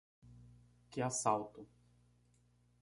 Que assalto!